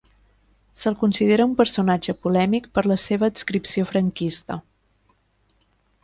Se'l considera un personatge polèmic per la seva adscripció franquista.